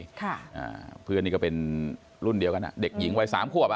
ค่ะอ่าเพื่อนนี่ก็เป็นรุ่นเดียวกันอ่ะเด็กหญิงวัยสามขวบอ่ะ